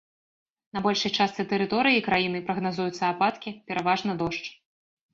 На большай частцы тэрыторыі краіны прагназуюцца ападкі, пераважна дождж.